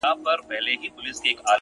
نیک اخلاق د عزت تخم کرل دي